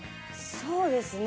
そうですね。